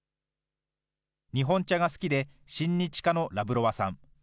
日本茶が好きで、親日家のラブロワさん。